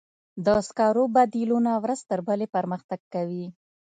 د سکرو بدیلونه ورځ تر بلې پرمختګ کوي.